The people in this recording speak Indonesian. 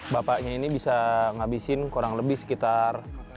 bapaknya ini bisa menghabiskan kurang lebih sekitar